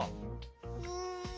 うん。